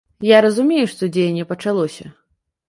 Я разумею, што дзеянне пачалося.